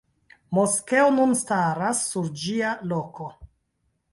Moskeo nun staras sur ĝia loko.